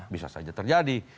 bisa saja terjadi